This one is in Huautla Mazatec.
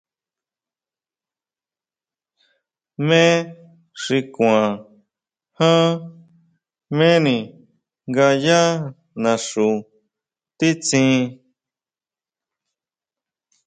¿Jmé xi kuan ján, jméni nga yá naxu titsín?